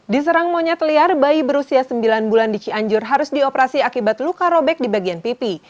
di serang monyet liar bayi berusia sembilan bulan di cianjur harus dioperasi akibat luka robek di bagian pipi